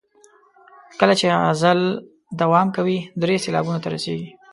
کله چې غزل دوام کوي درې سېلابونو ته رسیږي.